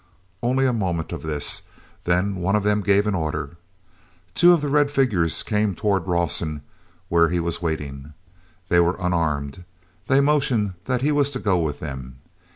Only a moment of this, then one of them gave an order. Two of the red figures came toward Rawson where he was waiting. They were unarmed. They motioned that he was to go with them.